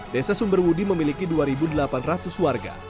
desa sumberwudi memiliki dua delapan ratus warga